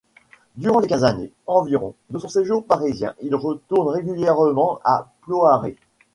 Durant les quinze années, environ, de son séjour parisien il retourne régulièrement à Ploaré.